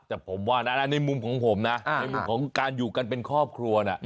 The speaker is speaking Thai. แต่ผมว่านะในมุมของผมนะในมุมของการอยู่กันเป็นครอบครัวนะ